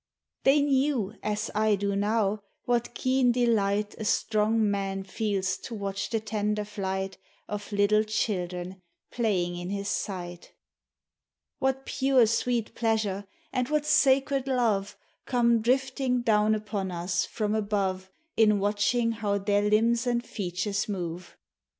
They knew, as I do now, what keen delight A stroug man feels to watch the tender flight Of little children playing in his sight; What pure sweet pleasure, and what sacred love, Come drifting down upon us from above, In watching how their limbs and features move.